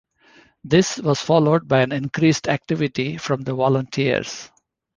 This was followed by an increased activity from the volunteers.